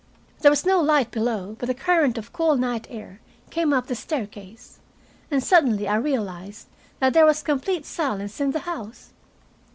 There was no light below, but a current of cool night air came up the staircase. And suddenly I realized that there was complete silence in the house.